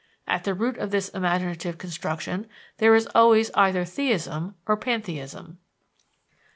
At the root of this imaginative construction there is always either theism or pantheism.